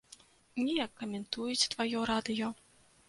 Неяк каментуюць тваё радыё.